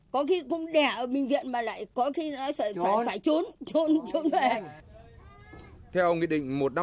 có khi cũng đẻ ở bệnh viện mà lại có khi nó phải trốn trốn về